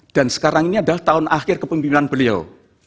dan sekarang ini adalah tahun akhir kepemimpinan beliau